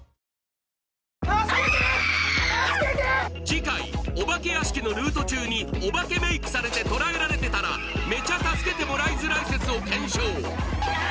次回お化け屋敷のルート中にお化けメークされて捕らえられてたらメチャ助けてもらいづらい説を検証